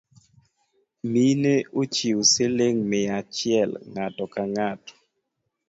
Mine ochiu siling’ mia achiel ng’ato kang’ato